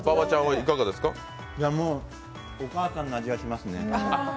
もう、お母さんの味がしますね。